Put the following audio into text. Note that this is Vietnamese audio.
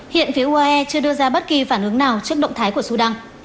hiện phía uae chưa đưa ra bất kỳ phản ứng nào trước động thái của sudan